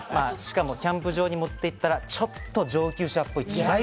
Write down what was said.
キャンプ場に持っていったら、ちょっと上級者っぽい。